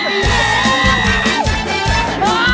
ใจจะขาดแล้วเอ้ย